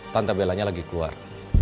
tante bellanya lagi keluar